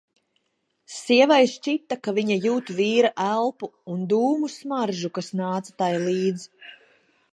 Sievai šķita, ka viņa jūt vīra elpu un dūmu smaržu, kas nāca tai līdz.